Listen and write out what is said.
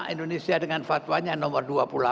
indonesia dengan fatwanya nomor dua puluh delapan